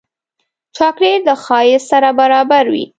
چاکلېټ له ښایست سره برابر وي.